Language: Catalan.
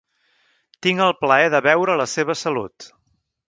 Tinc el plaer de beure a la seva salut.